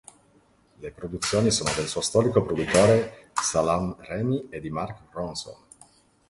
Le produzioni sono del suo storico produttore Salaam Remi e di Mark Ronson.